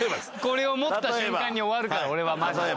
これを持った瞬間に終わるから俺はマジで。